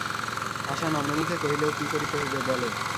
আশা নম্রমুখে কহিল, কী করিতে হইবে বলো।